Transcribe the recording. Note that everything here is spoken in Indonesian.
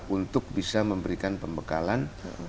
untuk bisa memberikan pembekalan